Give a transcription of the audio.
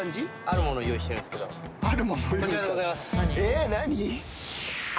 えっ何？